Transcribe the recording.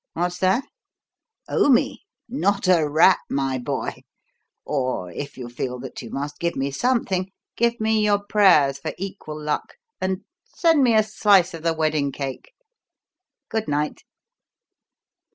What's that? Owe me? Not a rap, my boy. Or, if you feel that you must give me something, give me your prayers for equal luck, and send me a slice of the wedding cake. Good night!"